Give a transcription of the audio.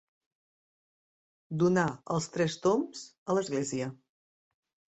Donar els tres tombs a l'església.